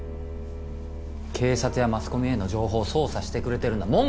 警察やマスコミへの情報を操作してくれてるんだ。